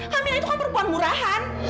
kamila itu kan perempuan murahan